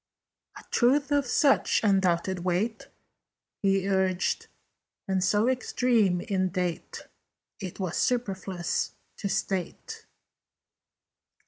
"A truth of such undoubted weight," He urged, "and so extreme in date, It were superfluous to state."